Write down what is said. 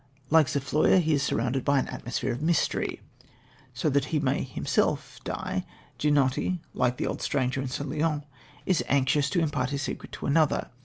Like Zofloya, he is surrounded by an atmosphere of mystery. So that he may himself die, Ginotti, like the old stranger in St. Leon, is anxious to impart his secret to another.